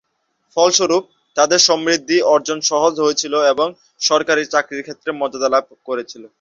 ফলস্বরূপ, তাদের সমৃদ্ধি অর্জন সহজ হয়েছিল এবং সরকারি চাকরির ক্ষেত্রে মর্যাদা লাভ করেছিল।